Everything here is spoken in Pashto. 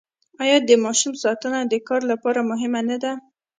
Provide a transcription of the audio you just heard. آیا د ماشوم ساتنه د کار لپاره مهمه نه ده؟